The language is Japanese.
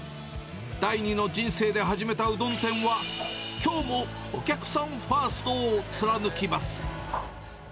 第２の人生で始めたうどん店は、きょうもお客さんファーストを貫きます。